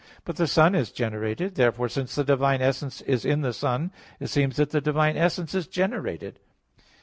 But the Son is generated. Therefore since the divine essence is in the Son, it seems that the divine essence is generated.